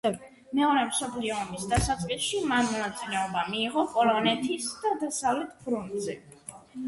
მეორე მსოფლიო ომის დასაწყისში მან მონაწილეობა მიიღო პოლონეთის და დასავლეთ ფრონტზე.